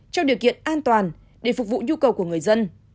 trong điều kiện an toàn để phục vụ nhu cầu của người dân